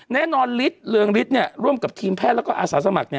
แน่นอนฤทธิ์เรืองฤทธิ์ร่วมกับทีมแพทย์แล้วก็อาสาสมัคร